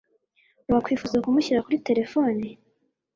Wakwifuza kumushyira kuri terefone?